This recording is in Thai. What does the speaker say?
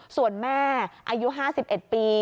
ส่วนแม่อายุ๕๑ปี